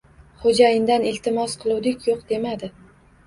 Xo`jayindan iltimos qiluvdik, yo`q demadi